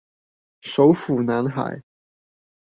手斧男孩